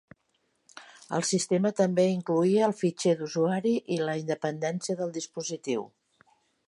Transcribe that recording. El sistema també incloïa el fitxer d'usuari i la independència del dispositiu.